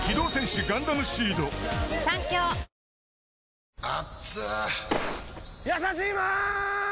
ニトリやさしいマーン！！